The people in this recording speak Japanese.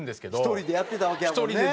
１人でやってたわけやもんね。